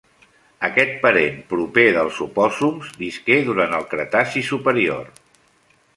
Aquest parent proper dels opòssums visqué durant el Cretaci superior.